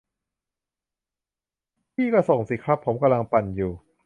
พี่ก็ส่งสิครับ ผมกำลังปั่นอยู่